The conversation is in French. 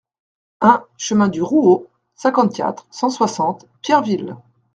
un chemin du Rouau, cinquante-quatre, cent soixante, Pierreville